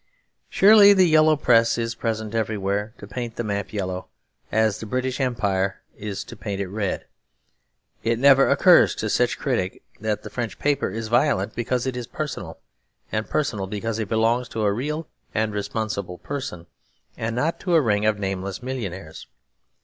Surely the Yellow Press is present everywhere to paint the map yellow, as the British Empire to paint it red. It never occurs to such a critic that the French paper is violent because it is personal, and personal because it belongs to a real and responsible person, and not to a ring of nameless millionaires.